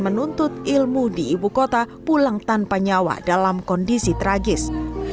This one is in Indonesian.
menuntut ilmu di ibu kota pulang tanpa nyawa dalam kondisi tragis